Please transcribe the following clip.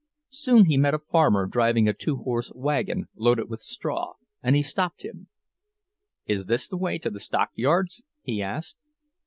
Soon he met a farmer driving a two horse wagon loaded with straw, and he stopped him. "Is this the way to the stockyards?" he asked.